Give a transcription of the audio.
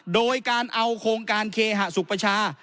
โดยการเอาโครงการเคหสุขประชา